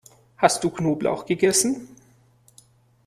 Hast du Knoblauch gegessen?